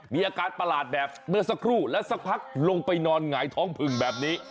มีอาการประหลาดแบบเมื่อสักครู่และสักพักลงไปนอนหงายท้องผึ่งแบบนี้